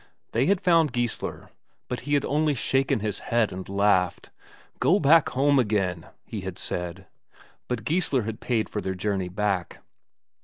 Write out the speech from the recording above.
They had found Geissler, but he had only shaken his head and laughed. "Go back home again," he had said. But Geissler had paid for their journey back.